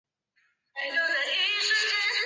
它起源于可计算函数和图灵度的研究。